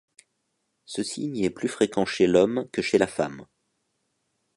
Ce signe est plus fréquent chez l'homme que chez la femme.